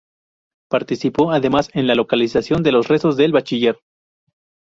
Participó, además, en la localización de los restos del bachiller.